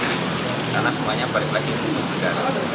karena semuanya balik lagi ke negara